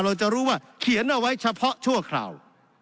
เราจะรู้ว่าเขียนเอาไว้เฉพาะชั่วคราว